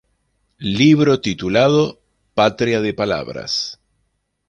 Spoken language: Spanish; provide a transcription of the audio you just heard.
Libro titulado "Patria de palabras".